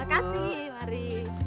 terima kasih mari